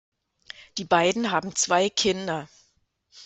Die beiden haben zwei Kinder.